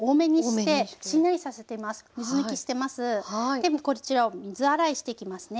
でこちらを水洗いしていきますね。